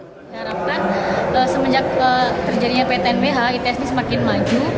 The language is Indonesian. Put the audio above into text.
diharapkan semenjak terjadinya pt nhbh its ini semakin maju